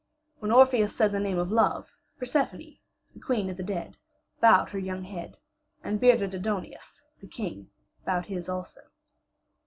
When Orpheus said the name of Love, Persephone, the queen of the dead, bowed her young head, and bearded Aidoneus, the king, bowed his head also.